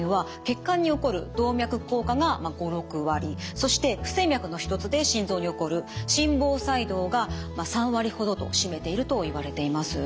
そして不整脈の一つで心臓に起こる心房細動が３割ほどを占めているといわれています。